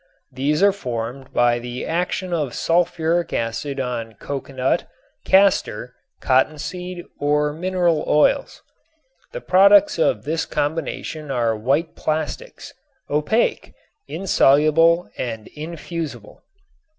These are formed by the action of sulfuric acid on coconut, castor, cottonseed or mineral oils. The products of this combination are white plastics, opaque, insoluble and infusible.